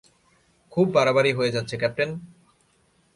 খুব বাড়াবাড়ি হয়ে যাচ্ছে, ক্যাপ্টেন!